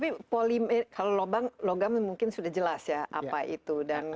tapi kalau logam mungkin sudah jelas ya apa itu